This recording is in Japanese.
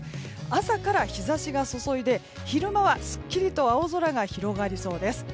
朝から日差しが注いで昼間はすっきりと青空が広がりそうです。